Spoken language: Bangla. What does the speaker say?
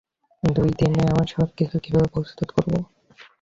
দুই দিনে আমরা সবকিছু কিভাবে প্রস্তুত করব?